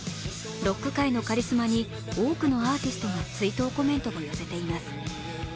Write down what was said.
ロック界のカリスマに、多くのアーティストが追悼コメントを寄せています。